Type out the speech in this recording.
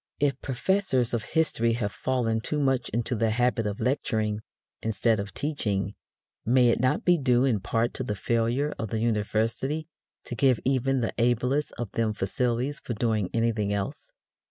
If professors of history have fallen too much into the habit of lecturing, instead of teaching, may it not be due in part to the failure of the university to give even the ablest of them facilities for doing anything else?